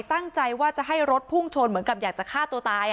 ตั้งใจว่าจะให้รถพุ่งชนเหมือนกับอยากจะฆ่าตัวตาย